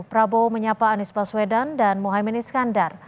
prabowo menyapa anies baswedan dan muhaymin iskandar